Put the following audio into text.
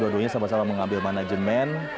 dua duanya sama sama mengambil manajemen